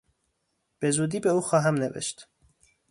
به زودی به او خواهم نوشت.